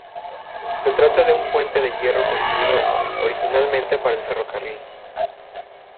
Se trata de un puente de hierro construido originalmente para el ferrocarril.